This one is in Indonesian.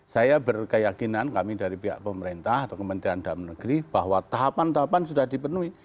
saya berkeyakinan kami dari pihak pemerintah atau kementerian dalam negeri bahwa tahapan tahapan sudah dipenuhi